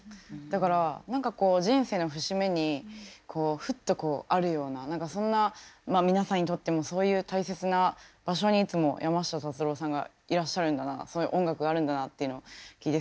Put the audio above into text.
だからなんかこう人生の節目にふっとこうあるようなそんなまあ皆さんにとってもそういう大切な場所にいつも山下達郎さんがいらっしゃるんだなそういう音楽があるんだなっていうのを聞いてすごい感動しました。